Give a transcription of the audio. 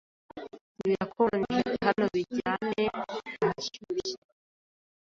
Birakonje hano bijyane ahashyushye.